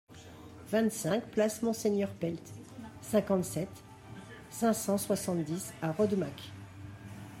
vingt-cinq place Monseigneur Pelt, cinquante-sept, cinq cent soixante-dix à Rodemack